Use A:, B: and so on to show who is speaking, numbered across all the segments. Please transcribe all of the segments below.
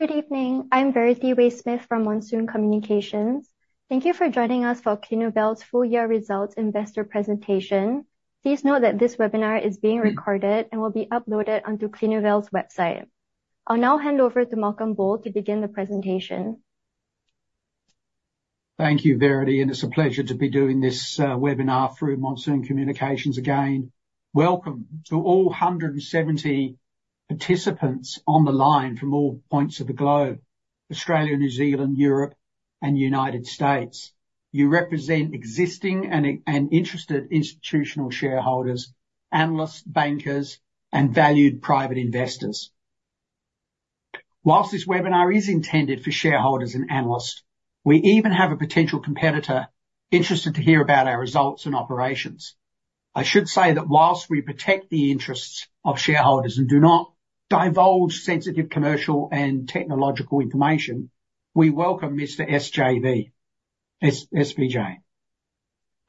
A: Good evening. I'm Verity Smith from Monsoon Communications. Thank you for joining us for Clinuvel's full year results investor presentation. Please note that this webinar is being recorded and will be uploaded onto Clinuvel's website. I'll now hand over to Malcolm Bull to begin the presentation.
B: Thank you, Verity, and it's a pleasure to be doing this webinar through Monsoon Communications again. Welcome to all 170 participants on the line from all points of the globe: Australia, New Zealand, Europe, and United States. You represent existing and interested institutional shareholders, analysts, bankers, and valued private investors. While this webinar is intended for shareholders and analysts, we even have a potential competitor interested to hear about our results and operations. I should say that while we protect the interests of shareholders and do not divulge sensitive commercial and technological information, we welcome Mr. SVJ.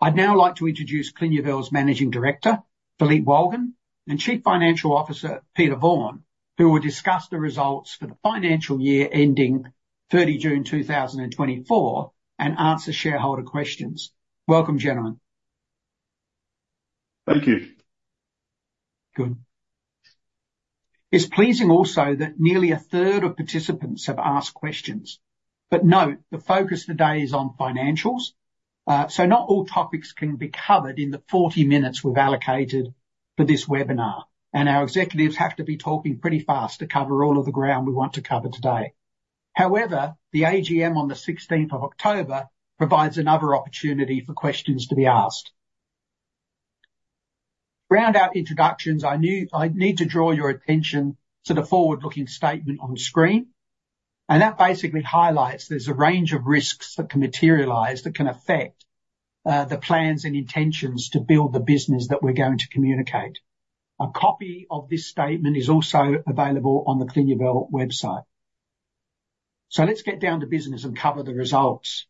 B: I'd now like to introduce Clinuvel's Managing Director, Philippe Wolgen, and Chief Financial Officer, Peter Vaughan, who will discuss the results for the financial year ending 30 June, 2024, and answer shareholder questions. Welcome, gentlemen.
C: Thank you. Good.
B: It's pleasing also that nearly 1/3 of participants have asked questions, but note, the focus today is on financials, so not all topics can be covered in the 40 minutes we've allocated for this webinar, and our executives have to be talking pretty fast to cover all of the ground we want to cover today. However, the AGM on the 16th of October provides another opportunity for questions to be asked. Round out introductions, I need to draw your attention to the forward-looking statement on screen, and that basically highlights there's a range of risks that can materialize, that can affect the plans and intentions to build the business that we're going to communicate. A copy of this statement is also available on the Clinuvel website, so let's get down to business and cover the results.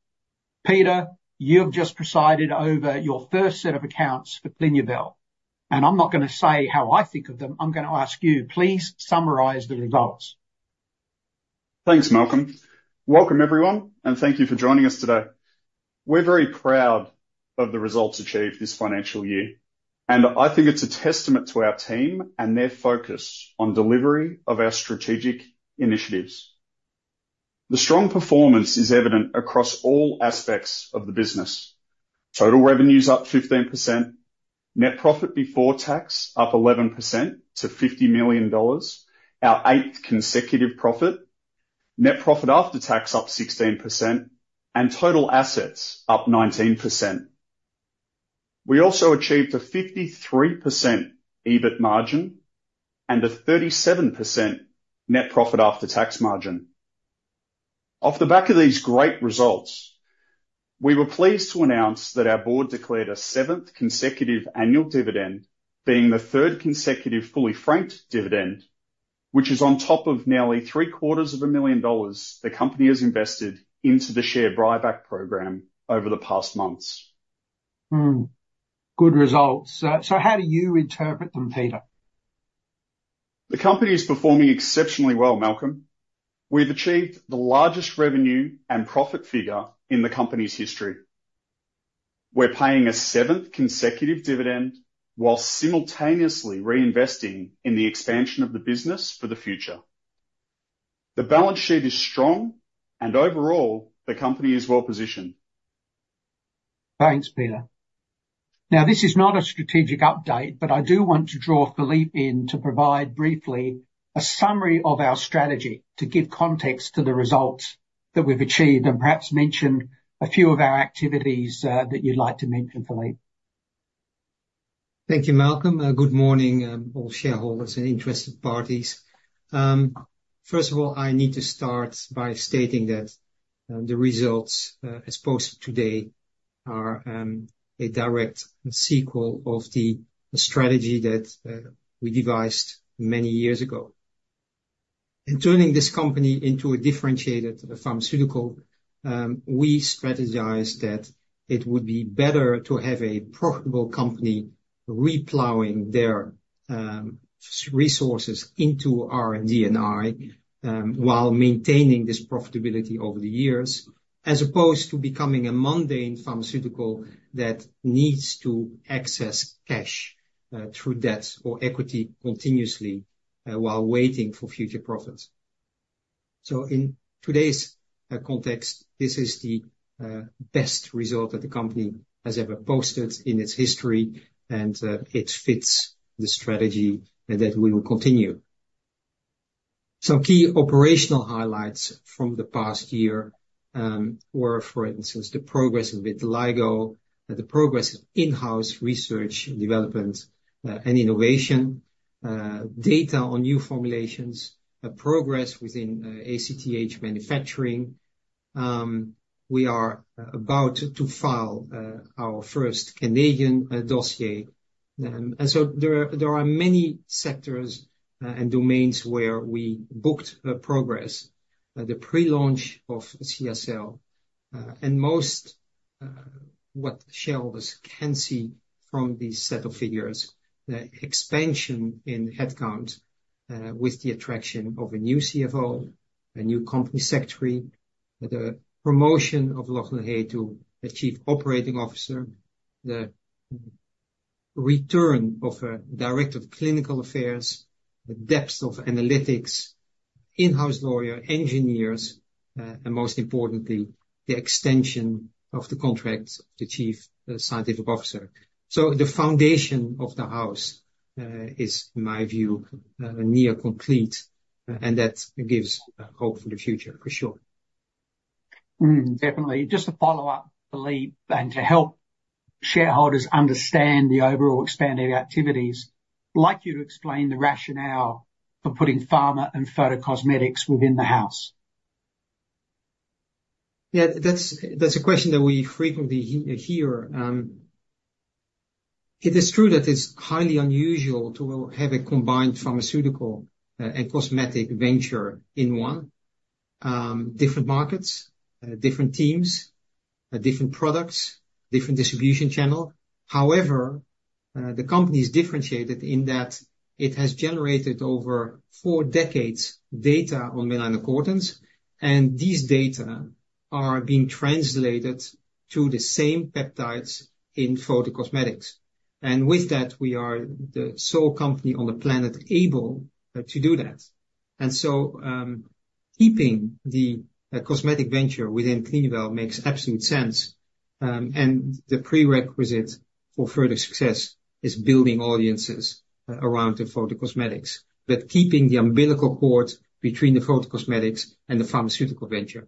B: Peter, you have just presided over your first set of accounts for Clinuvel, and I'm not gonna say how I think of them, I'm gonna ask you. Please summarize the results.
C: Thanks, Malcolm. Welcome, everyone, and thank you for joining us today. We're very proud of the results achieved this financial year, and I think it's a testament to our team and their focus on delivery of our strategic initiatives. The strong performance is evident across all aspects of the business. Total revenue is up 15%, net profit before tax up 11% to $50 million, our eighth consecutive profit. Net profit after tax up 16%, and total assets up 19%. We also achieved a 53% EBIT margin and a 37% net profit after tax margin. Off the back of these great results, we were pleased to announce that our board declared a seventh consecutive annual dividend, being the third consecutive fully franked dividend, which is on top of nearly $750,000 the company has invested into the share buyback program over the past months.
B: Good results. So how do you interpret them, Peter?
C: The company is performing exceptionally well, Malcolm. We've achieved the largest revenue and profit figure in the company's history. We're paying a seventh consecutive dividend while simultaneously reinvesting in the expansion of the business for the future. The balance sheet is strong, and overall, the company is well-positioned.
B: Thanks, Peter. Now, this is not a strategic update, but I do want to draw Philippe in to provide briefly a summary of our strategy to give context to the results that we've achieved, and perhaps mention a few of our activities, that you'd like to mention, Philippe.
D: Thank you, Malcolm. Good morning, all shareholders and interested parties. First of all, I need to start by stating that the results as posted today are a direct sequel of the strategy that we devised many years ago. In turning this company into a differentiated pharmaceutical, we strategized that it would be better to have a profitable company replowing their resources into R&D&I while maintaining this profitability over the years, as opposed to becoming a mundane pharmaceutical that needs to access cash through debt or equity continuously while waiting for future profits. So in today's context, this is the best result that the company has ever posted in its history, and it fits the strategy that we will continue. Some key operational highlights from the past year were, for instance, the progress with vitiligo, the progress of in-house research and development and innovation, data on new formulations, a progress within ACTH manufacturing. We are about to file our first Canadian dossier. So there are many sectors and domains where we booked progress. The pre-launch of CYACÊLLE and most what shareholders can see from these set of figures, the expansion in headcount with the attraction of a new CFO, a new company secretary, the promotion of Lachlan Hay to the Chief Operating Officer, the return of a director of clinical affairs, the depth of analytics, in-house lawyer, engineers, and most importantly, the extension of the contract of the Chief Scientific Officer. So the foundation of the house is, in my view, near complete, and that gives hope for the future, for sure.
B: Definitely. Just to follow up, Philippe, and to help shareholders understand the overall expanded activities, like you to explain the rationale for putting pharma and photo cosmetics within the house.
D: Yeah, that's a question that we frequently hear. It is true that it's highly unusual to have a combined pharmaceutical and cosmetic venture in one. Different markets, different teams, different products, different distribution channel. However, the company is differentiated in that it has generated over four decades data on melanocortins, and these data are being translated to the same peptides in photocosmetics. With that, we are the sole company on the planet able to do that. So, keeping the cosmetic venture within Clinuvel makes absolute sense, and the prerequisite for further success is building audiences around the photocosmetics, that keeping the umbilical cord between the photocosmetics and the pharmaceutical venture.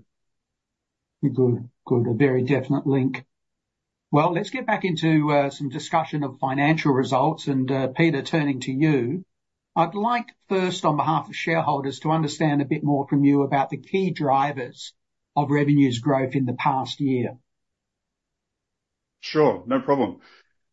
B: Good. Good. A very definite link. Well, let's get back into some discussion of financial results, and Peter, turning to you, I'd like first, on behalf of shareholders, to understand a bit more from you about the key drivers of revenues growth in the past year.
C: Sure. No problem.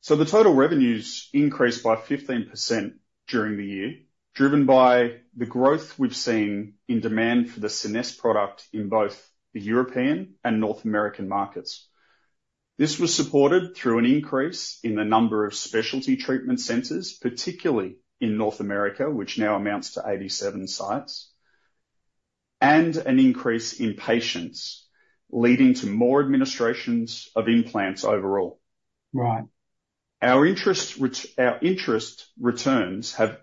C: So the total revenues increased by 15% during the year, driven by the growth we've seen in demand for the Scenesse product in both the European and North American markets. This was supported through an increase in the number of specialty treatment centers, particularly in North America, which now amounts to 87 sites, and an increase in patients, leading to more administrations of implants overall.
B: Right.
C: Our interest returns have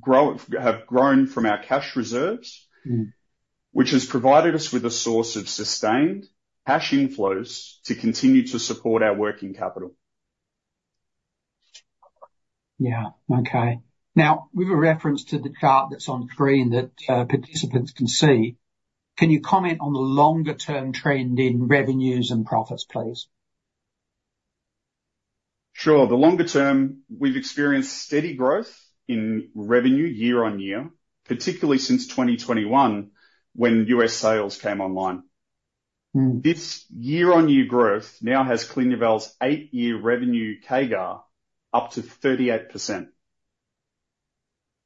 C: grown from our cash reserves which has provided us with a source of sustained cash inflows to continue to support our working capital.
B: Yeah. Okay. Now, with a reference to the chart that's on screen that participants can see, can you comment on the longer term trend in revenues and profits, please?
C: Sure. The longer term, we've experienced steady growth in revenue year on year, particularly since 2021, when U.S. sales came online. This year-on-year growth now has Clinuvel's eight-year revenue CAGR up to 38%.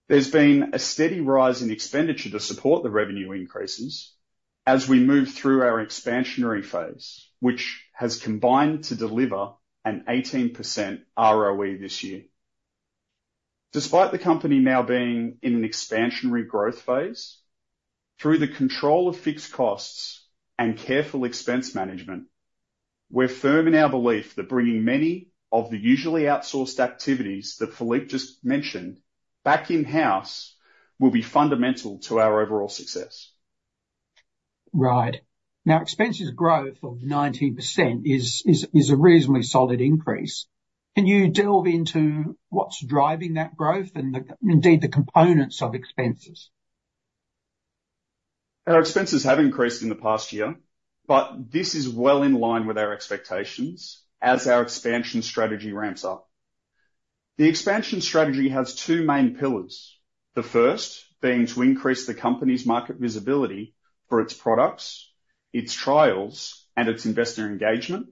C: There's been a steady rise in expenditure to support the revenue increases as we move through our expansionary phase, which has combined to deliver an 18% ROE this year. Despite the company now being in an expansionary growth phase, through the control of fixed costs and careful expense management, we're firm in our belief that bringing many of the usually outsourced activities, that Philippe just mentioned, back in-house, will be fundamental to our overall success.
B: Right. Now, expenses growth of 19% is a reasonably solid increase. Can you delve into what's driving that growth and indeed, the components of expenses?
C: Our expenses have increased in the past year, but this is well in line with our expectations as our expansion strategy ramps up. The expansion strategy has two main pillars, the first being to increase the company's market visibility for its products, its trials, and its investor engagement.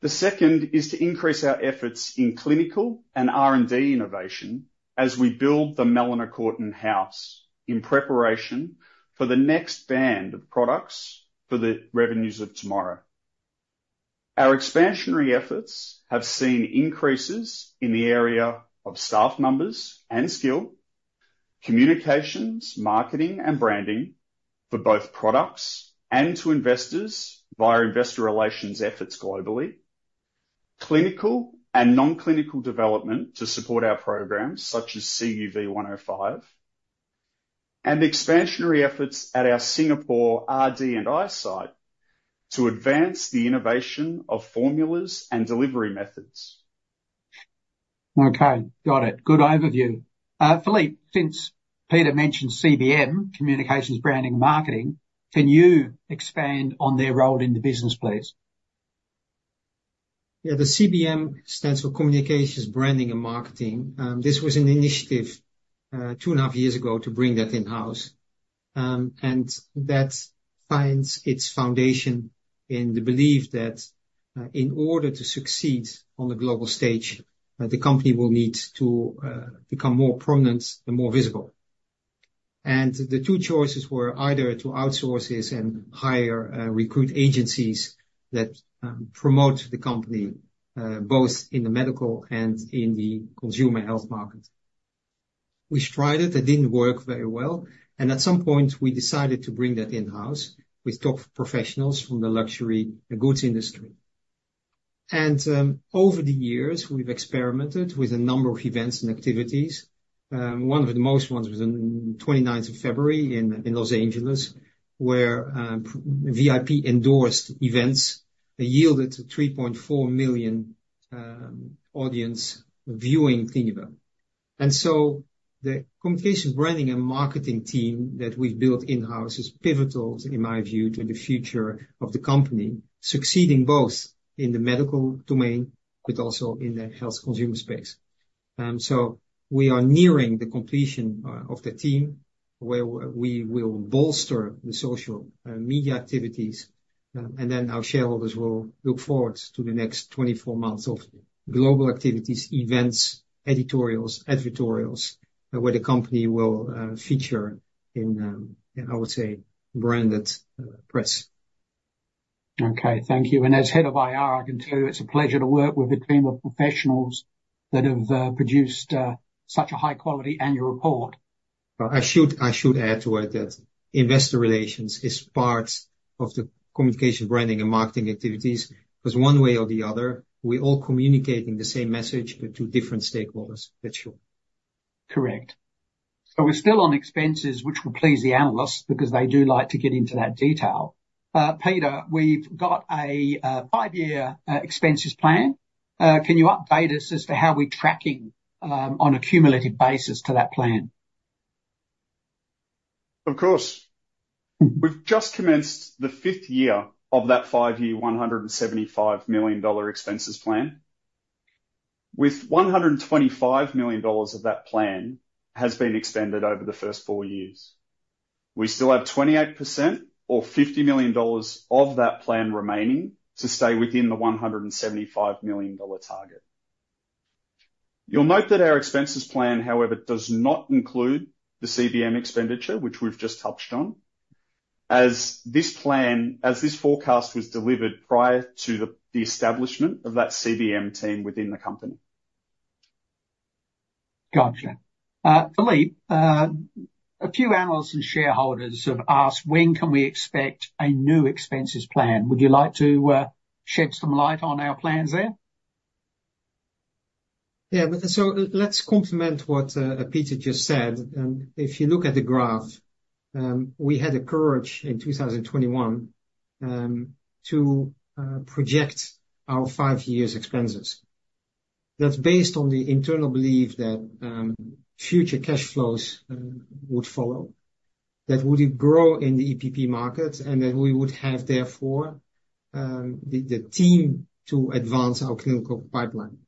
C: The second is to increase our efforts in clinical and R&D innovation as we build the melanocortin house, in preparation for the next band of products for the revenues of tomorrow. Our expansionary efforts have seen increases in the area of staff numbers and skill, communications, marketing, and branding for both products and to investors via investor relations efforts globally, clinical and non-clinical development to support our programs, such as CUV105, and expansionary efforts at our Singapore RD&I site to advance the innovation of formulas and delivery methods.
B: Okay. Got it. Good overview. Philippe, since Peter mentioned CBM, communications, branding, and marketing, can you expand on their role in the business, please?
D: Yeah. The CBM stands for communications, branding, and marketing. This was an initiative two and a half years ago to bring that in-house, and that finds its foundation in the belief that in order to succeed on the global stage, the company will need to become more prominent and more visible, and the two choices were either to outsource this and hire, recruit agencies that promote the company both in the medical and in the consumer health market. We tried it, it didn't work very well, and at some point we decided to bring that in-house with top professionals from the luxury goods industry, and over the years, we've experimented with a number of events and activities. One of the most ones was on 29th of February in Los Angeles, where VIP-endorsed events yielded 3.4 million audience viewing Clinuvel. So the communication, branding, and marketing team that we've built in-house is pivotal, in my view, to the future of the company succeeding both in the medical domain, but also in the health consumer space. We are nearing the completion of the team, where we will bolster the social media activities, and then our shareholders will look forward to the next 24 months of global activities, events, editorials, advertorials, where the company will feature in, I would say, branded press.
B: Okay, thank you. As Head of IR, I can tell you, it's a pleasure to work with a team of professionals that have produced such a high quality annual report.
D: I should add to it that Investor Relations is part of the communication, branding, and marketing activities because one way or the other, we're all communicating the same message, but to different stakeholders. That's true.
B: Correct. So we're still on expenses, which will please the analysts, because they do like to get into that detail. Peter, we've got a five-year expenses plan. Can you update us as to how we're tracking on a cumulative basis to that plan?
C: Of course. We've just commenced the fifth year of that five-year, $175 million expenses plan, with $125 million of that plan has been expended over the first four years. We still have 28%, or $50 million, of that plan remaining to stay within the $175 million target. You'll note that our expenses plan, however, does not include the CBM expenditure, which we've just touched on, as this forecast was delivered prior to the establishment of that CBM team within the company.
B: Gotcha. Philippe, a few analysts and shareholders have asked, "When can we expect a new expenses plan?" Would you like to shed some light on our plans there?
D: Yeah, but, so let's complement what Peter just said. If you look at the graph, we had the courage in 2021 to project our five years expenses. That's based on the internal belief that future cash flows would follow, that we would grow in the EPP market, and that we would have therefore the team to advance our clinical pipeline.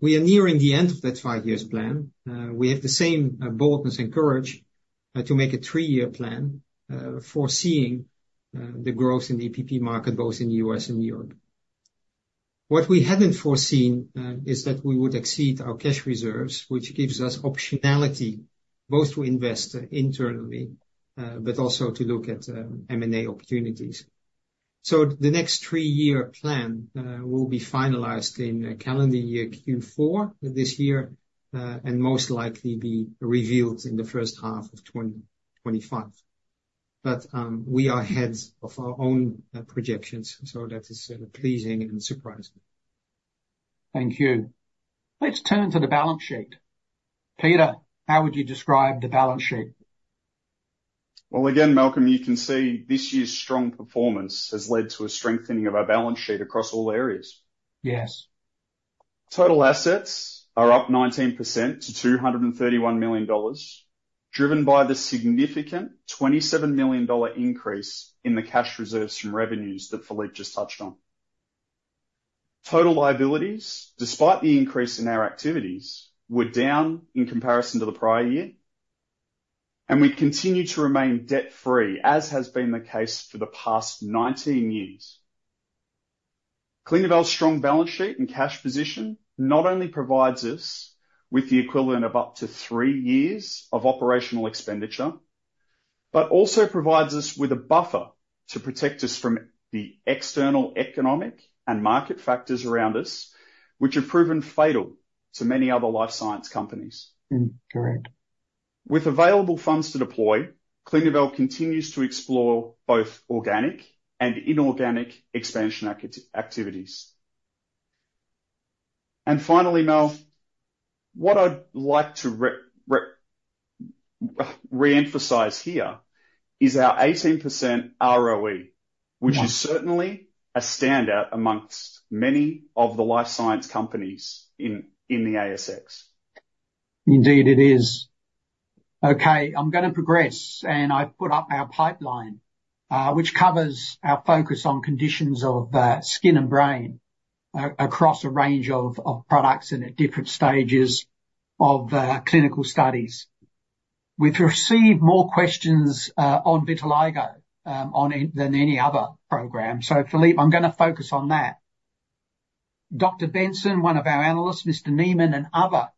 D: We are nearing the end of that five years plan. We have the same boldness and courage to make a three-year plan foreseeing the growth in the EPP market, both in the U.S. and Europe. What we hadn't foreseen is that we would exceed our cash reserves, which gives us optionality both to invest internally but also to look at M&A opportunities. So the next three-year plan will be finalized in calendar year Q4 this year, and most likely be revealed in the first half of 2025. But we are ahead of our own projections, so that is pleasing and surprising.
B: Thank you. Let's turn to the balance sheet. Peter, how would you describe the balance sheet?
C: Again, Malcolm, you can see this year's strong performance has led to a strengthening of our balance sheet across all areas.
B: Yes.
C: Total assets are up 19% to $231 million, driven by the significant $27 million increase in the cash reserves from revenues that Philippe just touched on. Total liabilities, despite the increase in our activities, were down in comparison to the prior year and we continue to remain debt-free, as has been the case for the past 19 years. Clinuvel's strong balance sheet and cash position not only provides us with the equivalent of up to three years of operational expenditure, but also provides us with a buffer to protect us from the external economic and market factors around us, which have proven fatal to many other life science companies.
B: Correct.
C: With available funds to deploy, Clinuvel continues to explore both organic and inorganic expansion activities. Finally, Mal, what I'd like to reemphasize here is our 18% ROE which is certainly a standout amongst many of the life science companies in the ASX.
B: Indeed, it is. Okay, I'm gonna progress, and I've put up our pipeline, which covers our focus on conditions of skin and brain across a range of products and at different stages of clinical studies. We've received more questions on vitiligo than any other program. So Philippe, I'm gonna focus on that. Dr. Benson, one of our analysts, Mr. Neiman, and other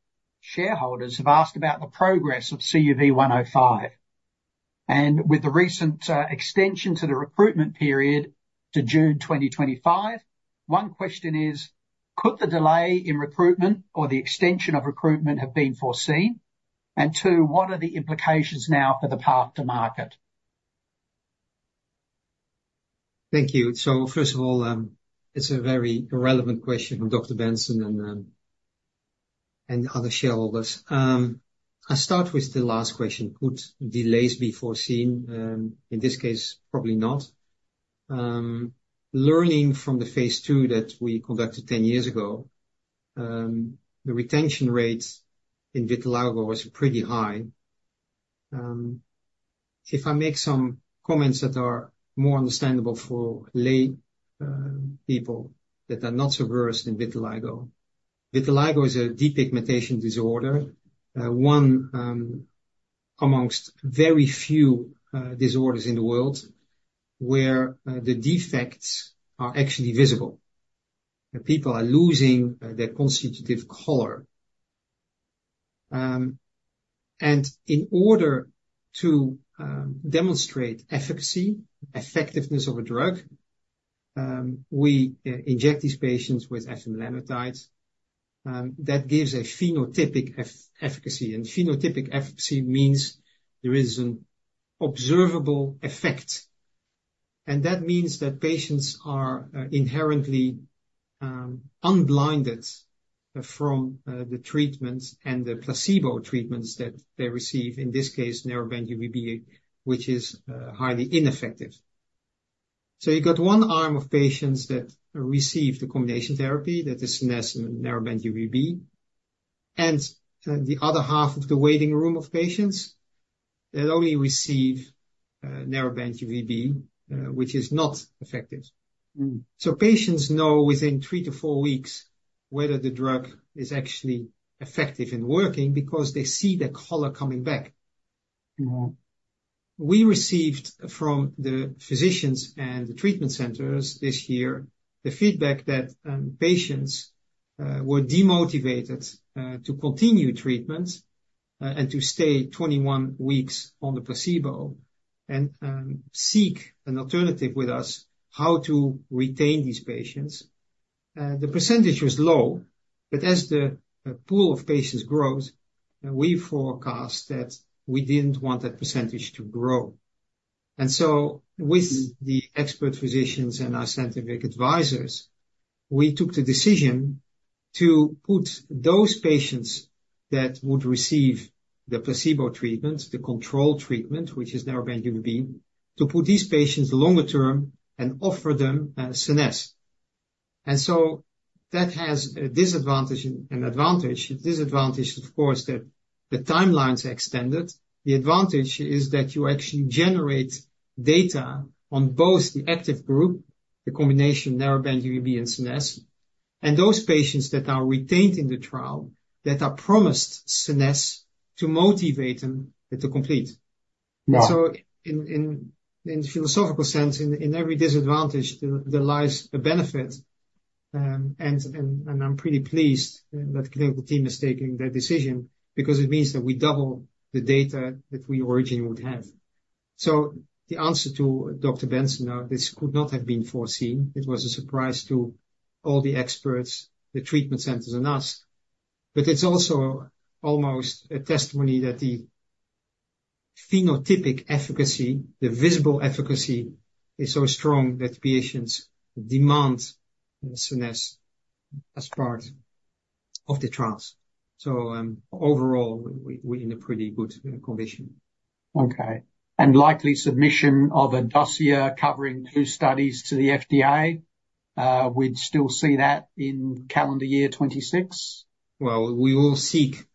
B: shareholders have asked about the progress of CUV105 and with the recent extension to the recruitment period to June 2025, one question is: Could the delay in recruitment or the extension of recruitment have been foreseen and two, what are the implications now for the path to market?
D: Thank you. So first of all, it's a very relevant question from Dr. Benson and other shareholders. I'll start with the last question: Could delays be foreseen? In this case, probably not. Learning from the Phase II that we conducted ten years ago, the retention rates in vitiligo was pretty high. If I make some comments that are more understandable for lay people that are not so versed in vitiligo, vitiligo is a depigmentation disorder. One amongst very few disorders in the world where the defects are actually visible, and people are losing their constitutive color and in order to demonstrate efficacy, effectiveness of a drug, we inject these patients with afamelanotide. That gives a phenotypic efficacy, and phenotypic efficacy means there is an observable effect, and that means that patients are inherently unblinded from the treatments and the placebo treatments that they receive, in this case, Narrowband UVB, which is highly ineffective. So you've got one arm of patients that receive the combination therapy, that is Scenesse Narrowband UVB, and the other arm of patients that only receive Narrowband UVB, which is not effective. So patients know within 3-4 weeks whether the drug is actually effective and working because they see their color coming back. We received from the physicians and the treatment centers this year, the feedback that patients were demotivated to continue treatment and to stay 21 weeks on the placebo, and seek an alternative with us, how to retain these patients. The percentage was low, but as the pool of patients grows, we forecast that we didn't want that percentage to grow. So, with the expert physicians and our scientific advisors, we took the decision to put those patients that would receive the placebo treatment, the control treatment, which is narrowband UVB, to put these patients longer term and offer them Scenesse and so that has a disadvantage and advantage. The disadvantage, of course, that the timelines are extended. The advantage is that you actually generate data on both the active group, the combination narrow band UVB and Scenesse, and those patients that are retained in the trial, that are promised Scenesse to motivate them to complete.
B: Right.
D: So in a philosophical sense, in every disadvantage, there lies a benefit and I'm pretty pleased that the clinical team is taking that decision, because it means that we double the data that we originally would have. So the answer to Dr. Benson, this could not have been foreseen. It was a surprise to all the experts, the treatment centers, and us. But it's also almost a testimony that the phenotypic efficacy, the visible efficacy, is so strong that patients demand Scenesse as part of the trials. So, overall, we're in a pretty good condition.
B: Okay, and likely submission of a dossier covering two studies to the FDA, we'd still see that in calendar year 2026?
D: We will seek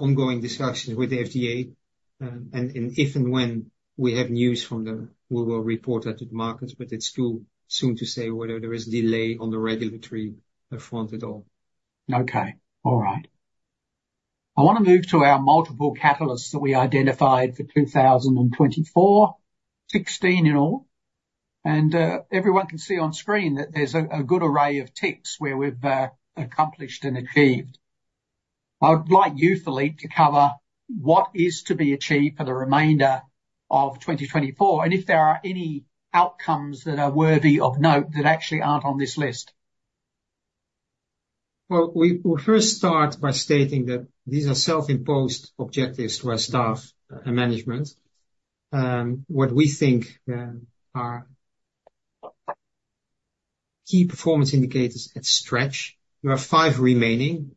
D: ongoing discussions with the FDA, and if and when we have news from them, we will report that to the market, but it's too soon to say whether there is delay on the regulatory front at all.
B: Okay. All right. I wanna move to our multiple catalysts that we identified for 2024, 16 in all, and everyone can see on screen that there's a good array of ticks where we've accomplished and achieved. I would like you, Philippe, to cover what is to be achieved for the remainder of 2024, and if there are any outcomes that are worthy of note that actually aren't on this list.
D: We will first start by stating that these are self-imposed objectives to our staff and management. What we think are key performance indicators at stretch. There are five remaining.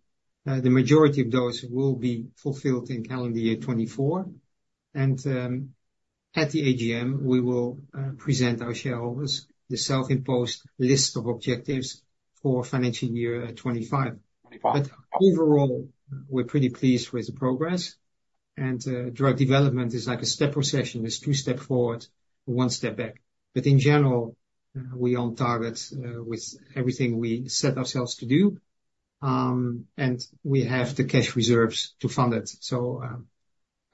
D: The majority of those will be fulfilled in calendar year 2024. At the AGM, we will present our shareholders the self-imposed list of objectives for financial year 2025. But overall, we're pretty pleased with the progress, and drug development is like a step progression. It's two steps forward, one step back. But in general, we're on target with everything we set ourselves to do and we have the cash reserves to fund it. So,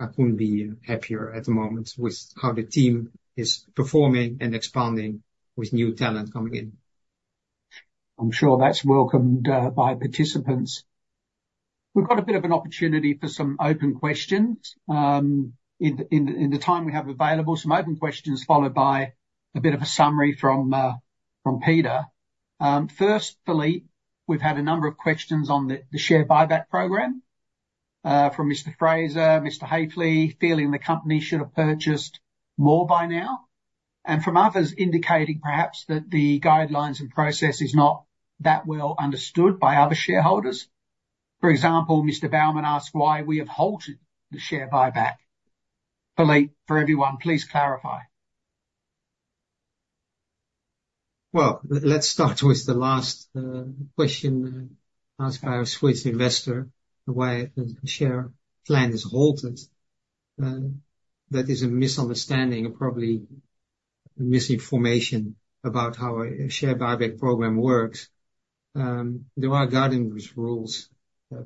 D: I couldn't be happier at the moment with how the team is performing and expanding with new talent coming in.
B: I'm sure that's welcomed by participants. We've got a bit of an opportunity for some open questions in the time we have available. Some open questions, followed by a bit of a summary from Peter. First, Philippe, we've had a number of questions on the share buyback program from Mr. Fraser, Mr. Haefeli, feeling the company should have purchased more by now, and from others indicating perhaps that the guidelines and process is not that well understood by other shareholders. For example, Mr. Baumann asked why we have halted the share buyback. Philippe, for everyone, please clarify.
D: Well, let's start with the last question asked by our Swiss investor, why the share plan is halted. That is a misunderstanding and probably misinformation about how our share buyback program works. There are guidance rules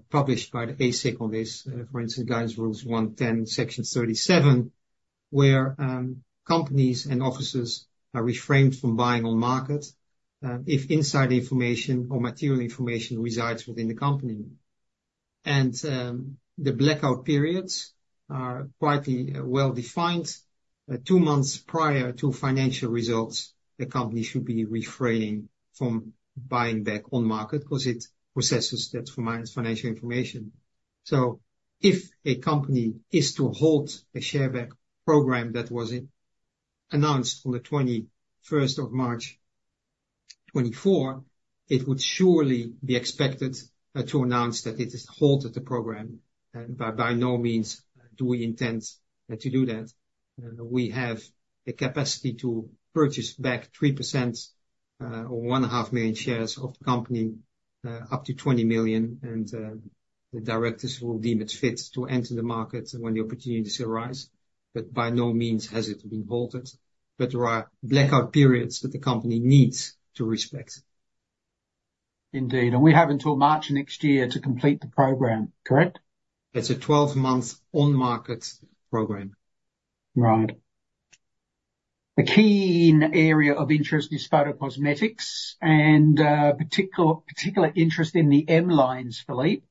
D: published by the ASIC on this, for instance, Guidance Rules 110, Section 37, where companies and officers are refrained from buying on market, if inside information or material information resides within the company, and the blackout periods are quite well defined. Two months prior to financial results, the company should be refraining from buying back on market, because it possesses that financial information. So if a company is to halt a share buyback program that was announced on the 21st of March 2024, it would surely be expected to announce that it has halted the program, and by no means do we intend to do that. We have the capacity to purchase back 3% or 1.5 million shares of the company up to $20 million, and the directors will deem it fit to enter the market when the opportunities arise, but by no means has it been halted. But there are blackout periods that the company needs to respect.
B: Indeed, and we have until March next year to complete the program, correct?
D: It's a 12-month on-market program.
B: Right. A key area of interest is photocosmetics, and particular interest in the M lines, Philippe.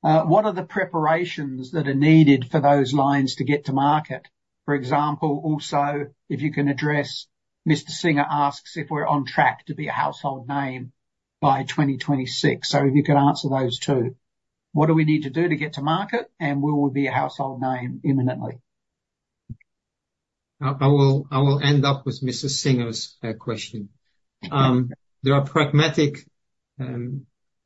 B: What are the preparations that are needed for those lines to get to market? For example, also, if you can address, Mr. Singer asks if we're on track to be a household name by 2026. So if you could answer those two. What do we need to do to get to market, and will we be a household name imminently?
D: I will end up with Mr. Singer's question.
B: Okay.
D: There are pragmatic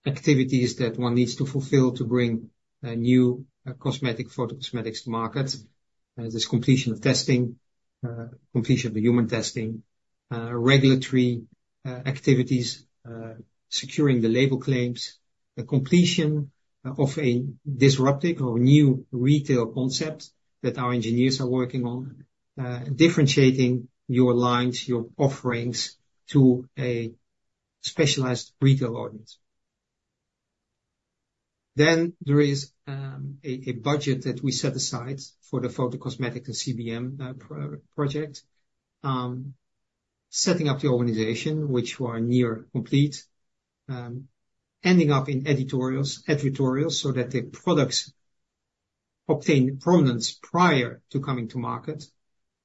D: activities that one needs to fulfill to bring a new cosmetic, photocosmetics to market. There's completion of testing, completion of the human testing, regulatory activities, securing the label claims, the completion of a disruptive or new retail concept that our engineers are working on, differentiating your lines, your offerings, to a specialized retail audience. Then there is a budget that we set aside for the photocosmetic and CBM project. Setting up the organization, which we are near complete. Ending up in editorials, so that the products obtain prominence prior to coming to market,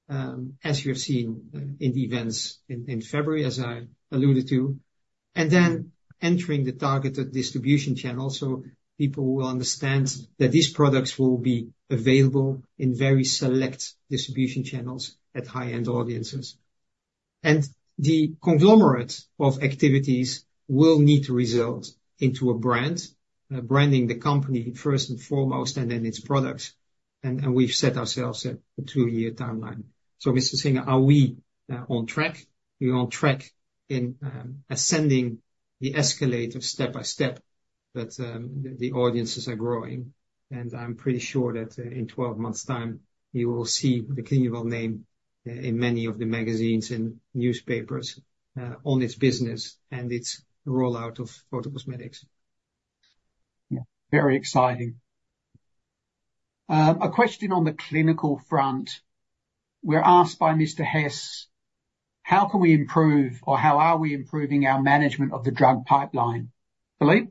D: as you have seen in the events in February, as I alluded to. Then entering the targeted distribution channels, so people will understand that these products will be available in very select distribution channels at high-end audiences. The conglomerate of activities will need to result into a brand, branding the company first and foremost, and then its products, and we've set ourselves a two-year timeline. So Mr. Singer, are we on track? We're on track in ascending the escalator step by step, but the audiences are growing, and I'm pretty sure that in 12 months' time, you will see the Clinuvel name in many of the magazines and newspapers on its business and its rollout of photocosmetics.
B: Yeah, very exciting. A question on the clinical front. We're asked by Mr. Hess: how can we improve, or how are we improving our management of the drug pipeline? Philippe?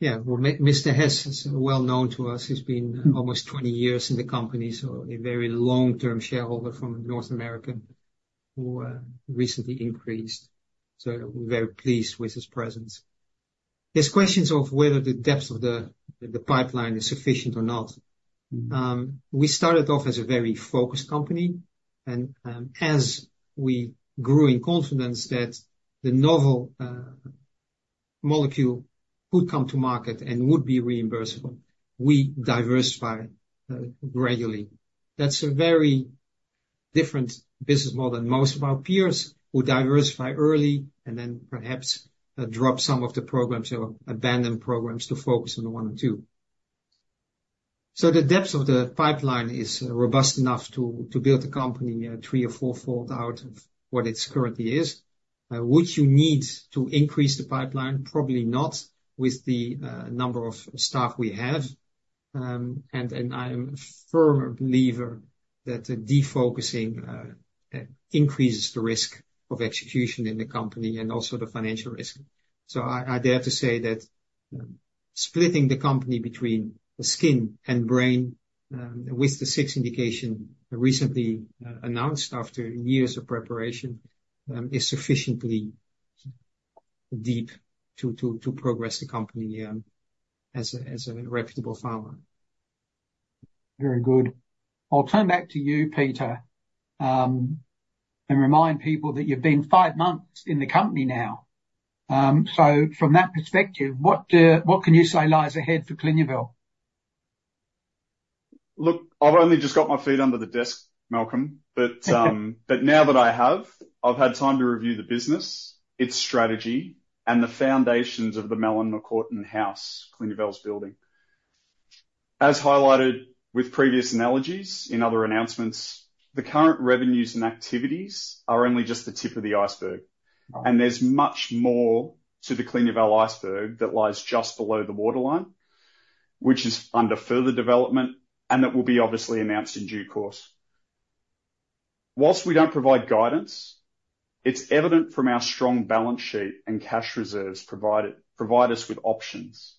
D: Yeah. Well, Mr. Hess is well known to us. He's been almost 20 years in the company, so a very long-term shareholder from North America, who recently increased. So we're very pleased with his presence. His question's of whether the depth of the pipeline is sufficient or not. We started off as a very focused company, and as we grew in confidence that the novel molecule would come to market and would be reimbursable, we diversified gradually. That's a very different business model than most of our peers, who diversify early and then perhaps drop some of the programs or abandon programs to focus on the one or two. So the depth of the pipeline is robust enough to build a company three or fourfold out of what it currently is. Would you need to increase the pipeline? Probably not, with the number of staff we have, and I'm a firm believer that the defocusing increases the risk of execution in the company and also the financial risk so I dare to say that splitting the company between the skin and brain, with the six indications recently announced after years of preparation, is sufficiently deep to progress the company as a reputable pharma.
B: Very good. I'll turn back to you, Peter, and remind people that you've been five months in the company now. So from that perspective, what can you say lies ahead for Clinuvel?
C: Look, I've only just got my feet under the desk, Malcolm, but now that I have, I've had time to review the business, its strategy, and the foundations of the melanocortin house Clinuvel's building. As highlighted with previous analogies in other announcements, the current revenues and activities are only just the tip of the iceberg, and there's much more to the Clinuvel iceberg that lies just below the waterline, which is under further development, and that will be obviously announced in due course. While we don't provide guidance, it's evident from our strong balance sheet and cash reserves provide us with options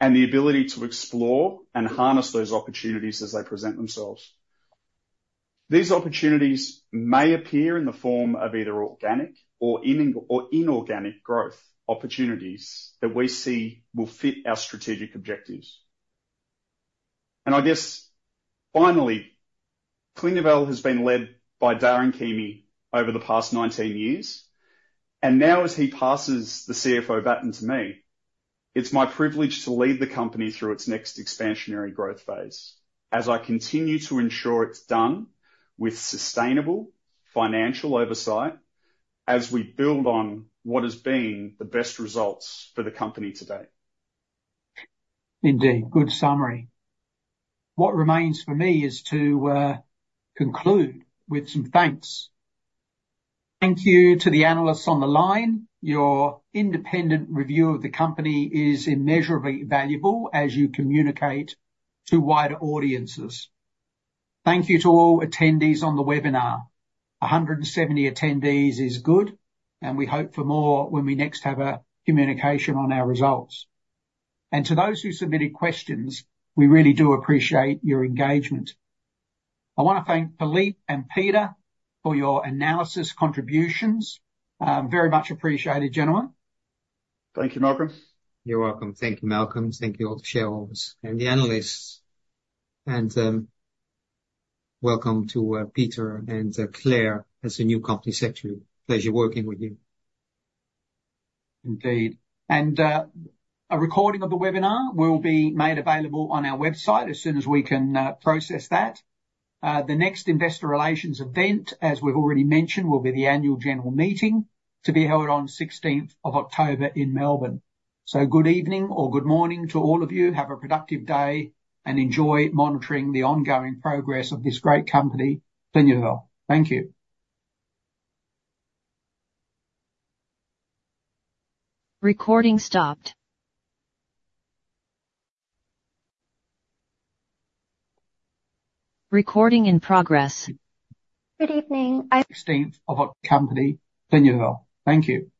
C: and the ability to explore and harness those opportunities as they present themselves. These opportunities may appear in the form of either organic or inorganic growth opportunities that we see will fit our strategic objectives. I guess, finally, Clinuvel has been led by Darren Keamy over the past nineteen years, and now, as he passes the CFO baton to me, it's my privilege to lead the company through its next expansionary growth phase, as I continue to ensure it's done with sustainable financial oversight as we build on what has been the best results for the company to date.
B: Indeed. Good summary. What remains for me is to conclude with some thanks. Thank you to the analysts on the line. Your independent review of the company is immeasurably valuable as you communicate to wider audiences. Thank you to all attendees on the webinar. 170 attendees is good, and we hope for more when we next have a communication on our results, and to those who submitted questions, we really do appreciate your engagement. I wanna thank Philippe and Peter for your analysis contributions. Very much appreciated, gentlemen.
C: Thank you, Malcolm.
D: You're welcome. Thank you, Malcolm. Thank you, all the shareholders and the analysts, and welcome to Peter and Claire, as the new Company Secretary. Pleasure working with you.
B: Indeed, and a recording of the webinar will be made available on our website as soon as we can process that. The next investor relations event, as we've already mentioned, will be the annual general meeting to be held on sixteenth of October in Melbourne, so good evening or good morning to all of you. Have a productive day, and enjoy monitoring the ongoing progress of this great company, Clinuvel. Thank you.
E: Recording stopped. Recording in progress.
A: Good evening,
B: 16th of October, company Clinuvel. Thank you.